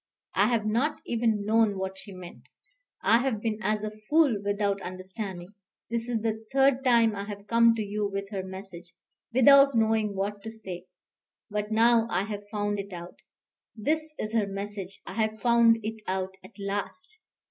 I have not even known what she meant. I have been as a fool without understanding. This is the third time I have come to you with her message, without knowing what to say. But now I have found it out. This is her message. I have found it out at last."